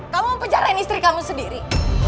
kamu penjarain istri kamu sendiri